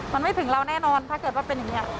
มันไม่ถึงเราแน่นอนถ้าเกิดว่าเป็นอย่างนี้